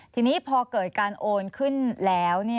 ทีนี้พอเกิดการโอนขึ้นแล้ว